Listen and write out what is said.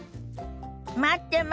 待ってます。